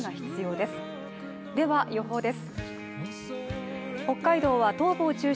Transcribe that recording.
では予報です。